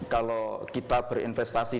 kalau kita berinvestasi